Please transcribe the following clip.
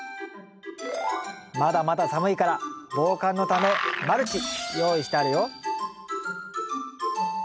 まだまだ寒いから防寒のためマルチ用意してあるよ。